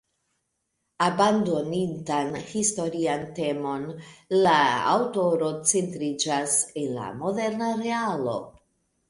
Abandoninta historian temon, la aŭtoro centriĝas en la moderna realo.